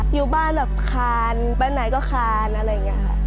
อยู่บ้านแบบคานไปไหนก็คานอะไรอย่างนี้ค่ะ